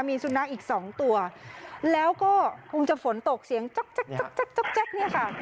มีซูนักอีกสองตัวแล้วก็คงจะฝนตกเสียงจ๊อกนี่ค่ะ